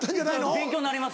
勉強になります。